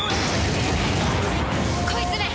こいつめ！